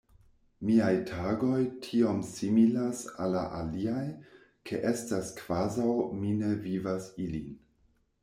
Miaj tagoj tiom similas al la aliaj, ke estas kvazaŭ mi ne vivas ilin.